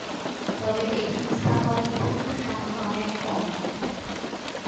তবে এখানে স্থাপত্যের সংখ্যা অনেক কম।